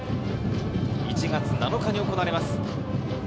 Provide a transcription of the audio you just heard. １月７日に行われます。